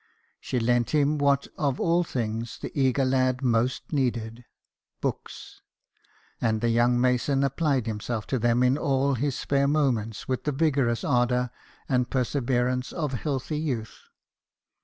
She lent him what of all things the eager lad most needed books ; and the young mason applied himself to them in all his spare moments with io BIOGRAPHIES OF WORKING MEN. the vigorous ardour and perseverance of healthy youth.